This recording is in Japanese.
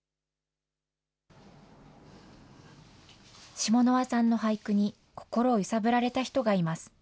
シモノワさんの俳句に、心を揺さぶられた人がいます。